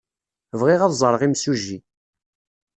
Bɣiɣ ad ẓreɣ imsujji.